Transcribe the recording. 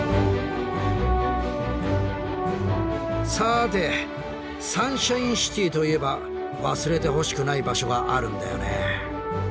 さてサンシャインシティといえば忘れてほしくない場所があるんだよね。